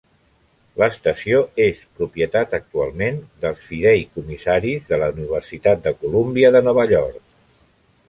L'estació és propietat actualment dels fideïcomissaris de la Universitat de Columbia de Nova York.